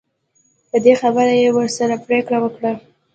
په دې خبره یې ورسره پرېکړه وکړه.